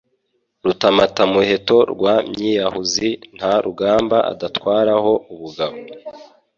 Rukamatamuheto rwa mwiyahuzi nta rugamba adatwaraho ubugabo